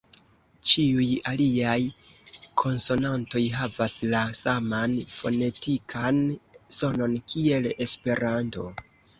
Ĉiuj aliaj konsonantoj havas la saman fonetikan sonon kiel Esperanto